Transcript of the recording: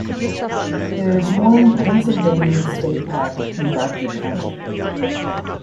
There is one Pennsylvania state park in Bradford County.